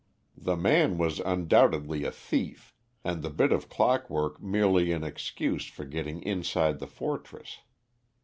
The man was undoubtedly a thief, and the bit of clockwork merely an excuse for getting inside the fortress.